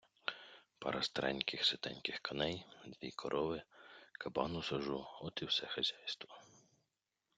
Пара стареньких ситеньких коней, дві корови, кабан у сажу - от і все хазяйство.